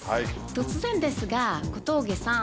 突然ですが小峠さん。